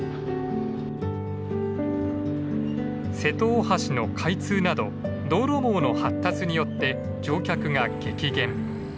瀬戸大橋の開通など道路網の発達によって乗客が激減。